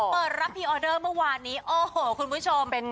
เปิดรับพรีออเดอร์เมื่อวานนี้โอ้โหคุณผู้ชม